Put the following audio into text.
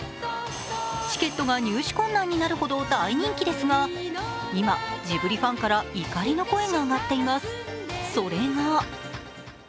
チケットが入手困難になるほど大人気ですが今、ジブリファンから怒りの声が上がっています。